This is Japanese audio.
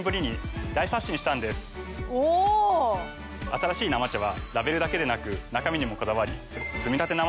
新しい生茶はラベルだけでなく中身にもこだわり。